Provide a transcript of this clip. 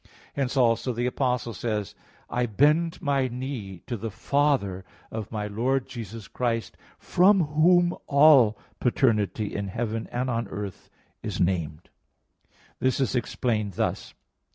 Hence also the Apostle says, "I bend my knee to the Father of my Lord Jesus Christ, from whom all paternity in heaven and on earth is named" (Eph. 3:14). This is explained thus.